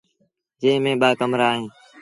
جݩهݩ ميݩ ٻآ ڪمرآ اوهيݩ۔